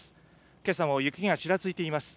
けさも雪がちらついています。